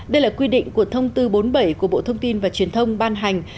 đây là quy định của thông tư bốn mươi bảy của bộ thông tin và truyền thông ban hành